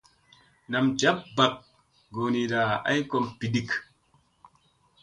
Nam ja bak goonira ay kom biɗik.